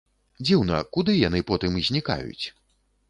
Дзіўна, куды яны потым знікаюць?